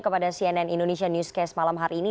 kepada cnn indonesia newscast malam hari ini